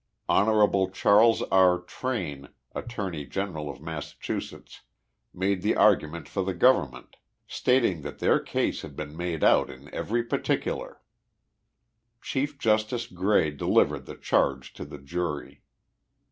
Hon. Charles R. Train, attorney general of Massachusetts, made the argument for the government, stating that their case had been made out in every particular. Chief Justice Gray delivered the charge to the jury.